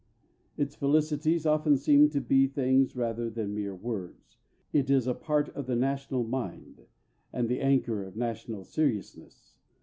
Its felicities often seem to be things rather than mere words. It is a part of the national mind, and the anchor of national seriousness.